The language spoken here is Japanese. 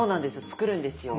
作るんですよ。